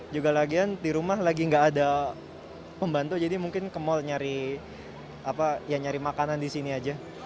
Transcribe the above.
juga lagi di rumah lagi gak ada pembantu jadi mungkin ke mall nyari makanan disini aja